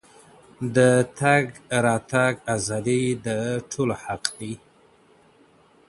د تګ راتګ ازادي د ټولو حق دی.